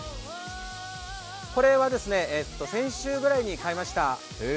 これは先週ぐらいに買いました。